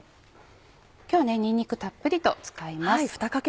今日にんにくたっぷりと使います。